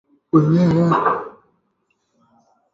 Kumutumia hela mama ni vema zaidi kuliko mpenzi wako